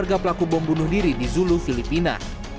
sebagai pelaku bom bunuh diri di zulu filipina